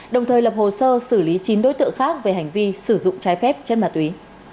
đồng thời lập hồ sơ xử lý chín đối tượng khác về hành vi sử dụng trái phép chất ma túy